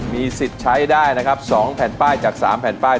มีสิทธิ์ใช้ได้นะครับ๒แผ่นป้ายจาก๓แผ่นป้าย